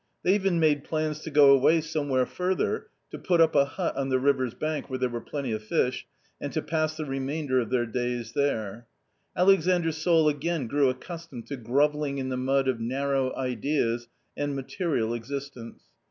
They even made plans to go away somewhere further, to put up a hut on the river's bank where there were plenty of fish, and to pass the remainder of their days there. Alexandras soul again grew accustomed to grovelling in the mud of narrow ideas and material existence.